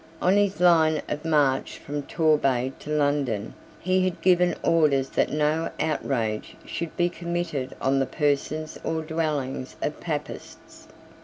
On his line of march from Torbay to London, he had given orders that no outrage should be committed on the persons or dwellings of Papists.